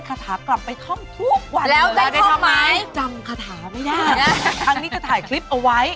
ครั้งนี้จะถ่ายคลิปเอาไว้